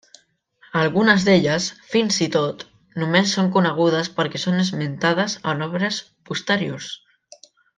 Algunes d'elles, fins i tot, només són conegudes perquè són esmentades en obres posteriors.